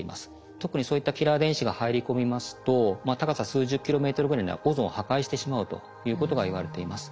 特にそういったキラー電子が入り込みますと高さ数十キロメートルぐらいにはオゾンを破壊してしまうということがいわれています。